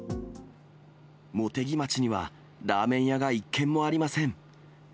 茂木町にはラーメン屋が一軒もありません。